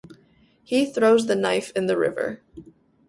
He throws the knife in the river.